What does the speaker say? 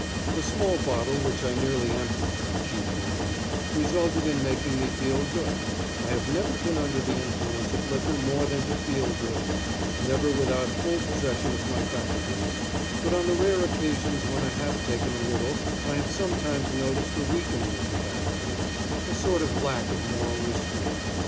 A small bottle which I nearly emptied (cheap wine) resulted in making me feel good I have never been under the influence of liquor more than to feel good, never without full possession of my faculties, but on the rare occasions when I have taken a little I have sometimes noticed a weakening of the faculties, a sort of lack of moral restraint.